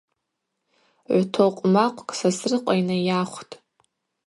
Гӏвтокъвмакъвкӏ Сосрыкъва йнайахвтӏ.